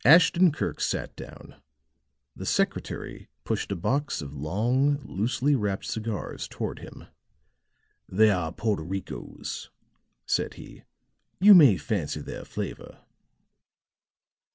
Ashton Kirk sat down; the secretary pushed a box of long loosely wrapped cigars toward him. "They are Porto Ricos," said he. "You may fancy their flavor."